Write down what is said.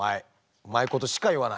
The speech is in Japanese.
うまいことしか言わない。